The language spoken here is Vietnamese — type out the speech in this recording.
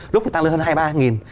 lúc này tăng lên hơn hai mươi ba